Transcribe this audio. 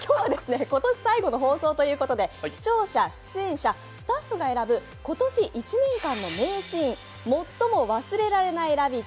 今日は今年最後の放送ということで視聴者、出演者、スタッフが選ぶ今年１年間の名シーン「最も忘れられないラヴィット！